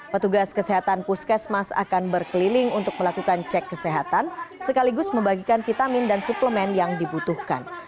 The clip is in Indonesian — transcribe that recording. petugas kesehatan puskesmas akan berkeliling untuk melakukan cek kesehatan sekaligus membagikan vitamin dan suplemen yang dibutuhkan